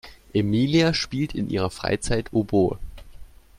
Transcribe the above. Emilia spielt in ihrer Freizeit Oboe.